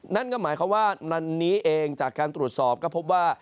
นั่นก็หมายความว่าวันนี้เองจากการตรวจสอบก็พบว่า